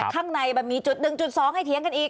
ข้างในมันมีจุด๑๒ให้เถียงกันอีก